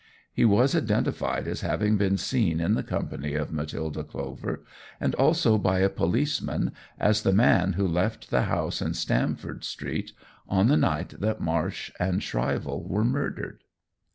He was identified as having been seen in the company of Matilda Clover, and also by a policeman, as the man who left the house in Stamford Street on the night that Marsh and Shrivell were murdered.